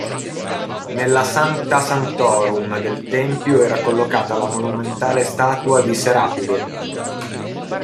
Nella "sancta sanctorum" del tempio era collocata la monumentale statua di Serapide.